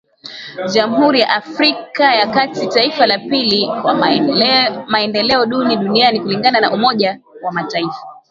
Jamhuri ya Afrika ya kati, taifa la pili kwa maendeleo duni duniani kulingana na umoja wa mataifa